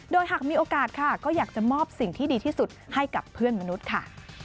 โดยหากมีโอกาสค่ะก็อยากจะมอบสิ่งที่ดีที่สุดให้กับเพื่อนมนุษย์ค่ะ